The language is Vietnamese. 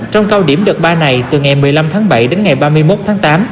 trong cao điểm đợt ba này từ ngày một mươi năm tháng bảy đến ngày ba mươi một tháng tám